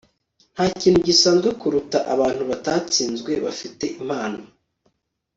ntakintu gisanzwe kuruta abantu batatsinzwe bafite impano